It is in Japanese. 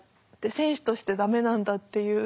選手としてダメなんだっていう